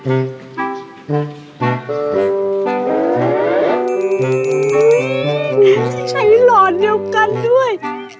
อุ้ยใช้ร้อนเดียวกันด้วย